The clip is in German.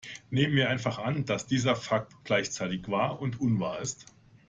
Nehmen wir einfach an, dass dieser Fakt gleichzeitig wahr und unwahr ist.